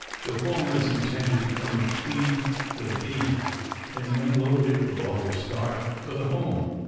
The former is intended to furnish feed for the bee, and when loaded will always start for the home.